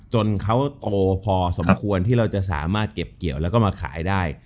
จนเขาโตพอสมควรที่เราจะสามารถเก็บเกี่ยวแล้วก็มาขายได้